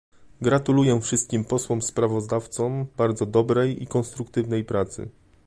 Gratuluję wszystkim posłom sprawozdawcom bardzo dobrej i konstruktywnej pracy